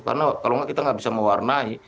karena kalau nggak kita nggak bisa mewarnai